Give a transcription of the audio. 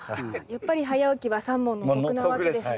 やっぱり早起きは三文の徳なわけですね。